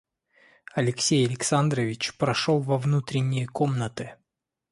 Алексей Александрович прошел во внутренние комнаты.